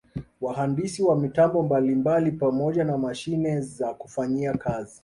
Wahandisi wa mitambo mbalimbali pamoja na mashine za kufanyia kazi